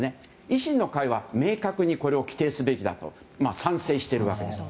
維新の会は明確にこれを規定すべきだと賛成しています。